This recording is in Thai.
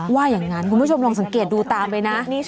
ว่าอย่างนั้นคุณผู้ชมลองสังเกตดูตามไปนะ